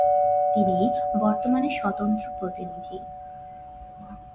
তিনি বর্তমানে স্বতন্ত্র প্রতিনিধি।